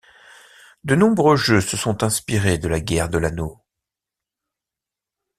De nombreux jeux se sont inspirés de la guerre de l'Anneau.